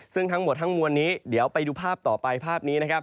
ซึ่งทั้งหมดทั้งมวลนี้เดี๋ยวไปดูภาพต่อไปภาพนี้นะครับ